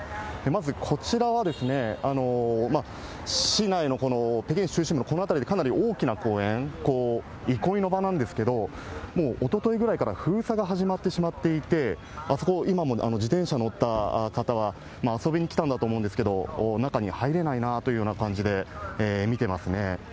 まずこちらは、市内のこの北京市中心部のこの辺りでかなり大きな公園、憩いの場なんですけど、もうおとといぐらいから封鎖が始まってしまっていて、あそこ、今も自転車乗った方は遊びに来たんだと思うんですけれども、中に入れないなというような感じで見てますね。